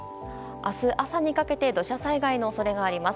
明日朝にかけて土砂災害の恐れがあります。